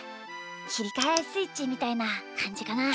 きりかえスイッチみたいなかんじかな。